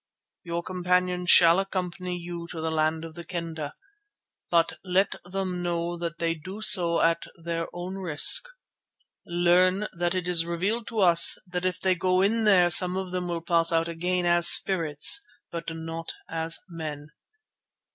Your companions shall accompany you to the land of the Kendah, but let them know that they do so at their own risk. Learn that it is revealed to us that if they go in there some of them will pass out again as spirits but not as men."